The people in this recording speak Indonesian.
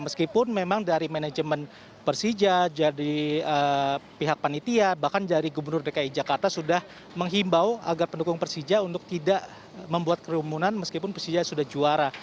meskipun memang dari manajemen persija dari pihak panitia bahkan dari gubernur dki jakarta sudah menghimbau agar pendukung persija untuk tidak membuat kerumunan meskipun persija sudah juara